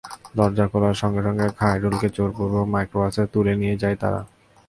দরজা খোলার সঙ্গে সঙ্গে খাইরুলকে জোরপূর্বক মাইক্রোবাসে তুলে নিয়ে যায় তারা।